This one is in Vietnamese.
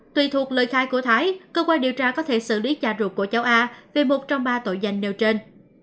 tùy thuộc lời khai của thái cơ quan điều tra có thể xử lý trà ruột của cháu a vì một trong ba tội danh nêu trên